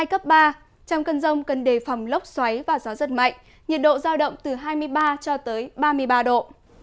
cấp ba trong cơn rông cần đề phòng lốc xoáy và gió rất mạnh nhiệt độ giao động từ hai mươi ba ba mươi ba độ